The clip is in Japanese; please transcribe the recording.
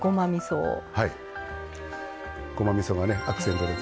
ごまみそがアクセントです。